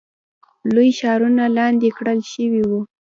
لوی ښارونه لاندې کړل شوي وو.